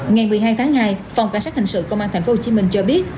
ngày một mươi hai tháng hai phòng cảnh sát hình sự công an tp hcm cho biết